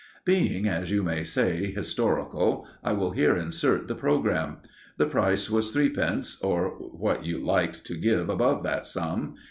Being, as you may say, historical, I will here insert the programme. The price was threepence, or what you liked to give above that sum.